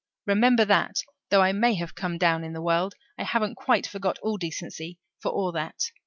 Remember that, though I may have come down in the world, I haven't quite forgot all decency for all that.